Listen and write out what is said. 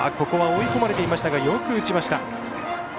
ここは追い込まれていましたがよく打ちました。